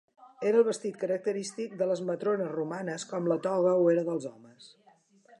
Era el vestit característic de les matrones romanes com la toga ho era dels homes.